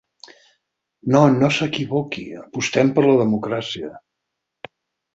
No no s’equivoqui, apostem per la democràcia.